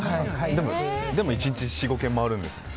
でも１日４５軒回るんですね。